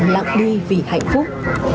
lặng đi vì hạnh phúc